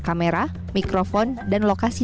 kamera mikrofon dan lokasi